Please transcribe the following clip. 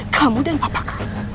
kamu dan papa kan